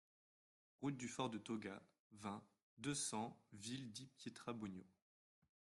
Route du Fort de Toga, vingt, deux cents Ville-di-Pietrabugno